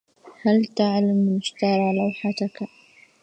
هل تعلم من اشترى لوحتك؟